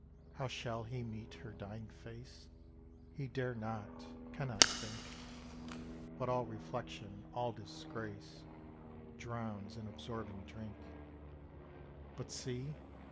How shall he meet her dying face? He dare not, cannot think, But all reflection, all disgrace Drowns in absorbing drink, But see!